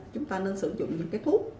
chúng ta nên sử dụng những thuốc